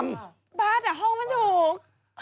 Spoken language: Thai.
บาร์ซอะห้องไม่ถูก